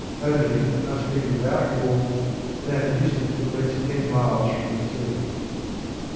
Only it must be without walls, and at a distance of at least ten miles from the sea.